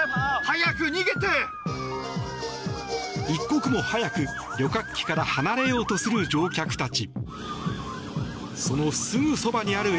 一刻も早く、旅客機から離れようとする乗客たち。